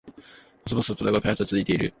細々とだが開発は続いている